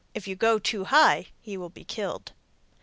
If you go too high, he will be killed.